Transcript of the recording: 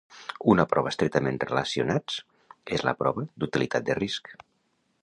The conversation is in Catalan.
Una prova estretament relacionats és la prova d'utilitat de risc.